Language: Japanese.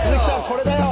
これだよ！